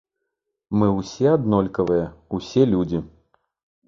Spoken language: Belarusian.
Мы ўсе аднолькавыя, усе людзі.